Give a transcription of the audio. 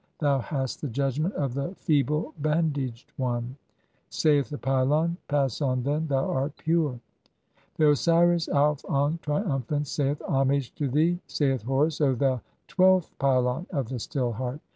Thou hast the judgment of the feeble bandaged one." [Saith the pylon :—•] "Pass on, then, thou art pure." XII. (44) The Osiris Auf ankh, triumphant, saith :— "Homage to thee, saith Horus, O thou twelfth pylon of the "Still Heart.